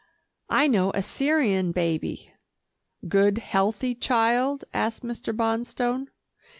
I know a Syrian baby " "Good healthy child?" asked Mr. Bonstone.